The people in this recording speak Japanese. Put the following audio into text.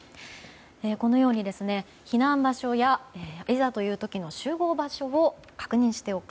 このように避難場所やいざという時の集合場所を確認しておく。